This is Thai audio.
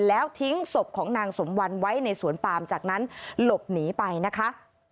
แล้วทิ้งศพของนางสมวันไว้ในสวนปามจากนั้นหลบหนีไปนะคะ